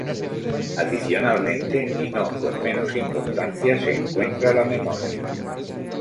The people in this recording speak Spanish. Adicionalmente, y no con menos importancia, se encuentra la memoria.